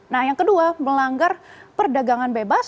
nah yang kedua melanggar perdagangan bebas